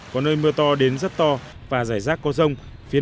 có nơi mưa to đến rất to và rải rác có rông